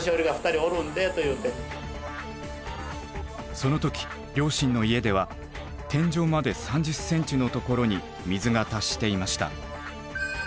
その時両親の家では天井まで３０ｃｍのところに水が達していました。